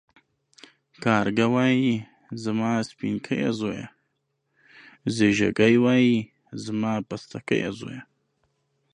کارگه وايي زما سپينکيه زويه ، ځېږگى وايي زما پستکيه زويه.